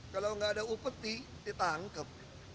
kalau nggak ada upeti ditangkep